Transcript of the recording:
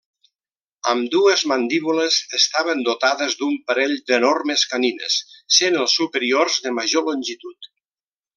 Ambdues mandíbules estaven dotades d'un parell d'enormes canines, sent els superiors de major longitud.